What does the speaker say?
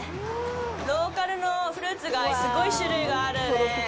ローカルのフルーツがすごい種類があるね。